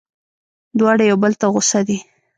دواړه یو بل ته غوسه دي.